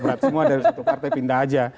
berat berat semua dari satu partai pindah saja